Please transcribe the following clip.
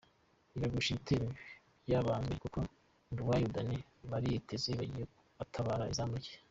irahusha ibitego byabazwe kuko Nduwayo Danny Bariteze yagiye atabara izamu rya.